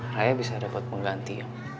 raya bisa dapat pengganti